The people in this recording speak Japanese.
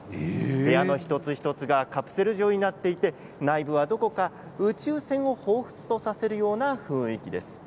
部屋の一つ一つがカプセル状になっておりどこか宇宙船をほうふつとさせる雰囲気です。